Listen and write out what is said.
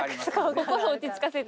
心落ち着かせて。